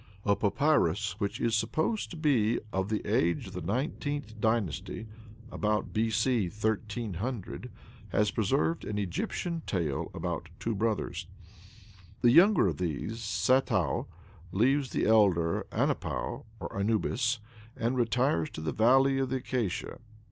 A papyrus, which is supposed to be "of the age of the nineteenth dynasty, about B.C. 1300," has preserved an Egyptian tale about two brothers. The younger of these, Satou, leaves the elder, Anepou (Anubis) and retires to the Valley of the Acacia.